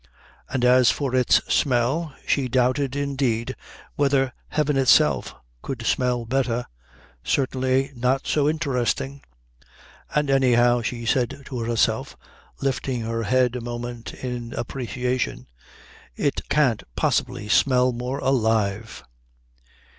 And as for its smell, she doubted, indeed, whether heaven itself could smell better, certainly not so interesting. "And anyhow," she said to herself, lifting her head a moment in appreciation, "it can't possibly smell more alive."